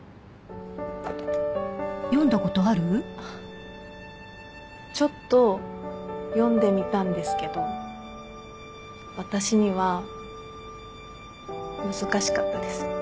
あっちょっと読んでみたんですけど私には難しかったです。